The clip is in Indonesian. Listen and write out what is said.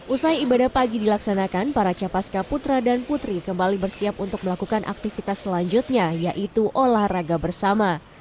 usai ibadah pagi dilaksanakan para capaska putra dan putri kembali bersiap untuk melakukan aktivitas selanjutnya yaitu olahraga bersama